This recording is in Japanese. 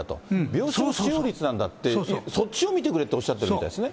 病床使用率なんだって、そっちを見てくれっておっしゃるみたいですね。